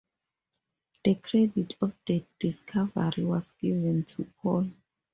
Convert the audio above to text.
The credit for this discovery was given to Paul.